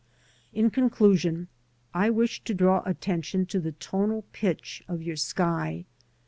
In conclusion, I wish to draw attention to the t onal pitch '' of your sky.